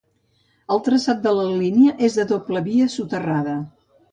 El traçat de la línia és de doble via soterrada.